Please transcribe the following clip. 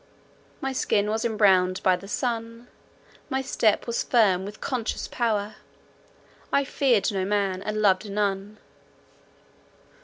My skin was embrowned by the sun; my step was firm with conscious power. I feared no man, and loved none.